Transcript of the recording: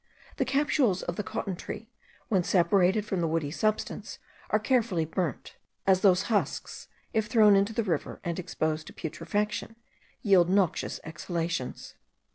The capsules of the cotton tree, when separated from the woolly substance, are carefully burnt; as those husks if thrown into the river, and exposed to putrefaction, yield noxious exhalations.